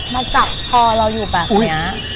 มาจับคอเราอยู่แบบนี้